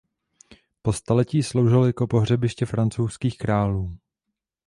Po staletí sloužil jako pohřebiště francouzských králů.